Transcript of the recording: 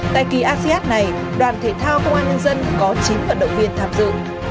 tại kỳ asean này đoàn thể thao công an nhân dân có chín vận động viên tham dự